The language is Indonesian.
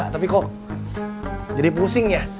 tapi kok jadi pusing ya